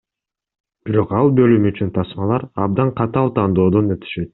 Бирок ал бөлүм үчүн тасмалар абдан катаал тандоодон өтүшөт.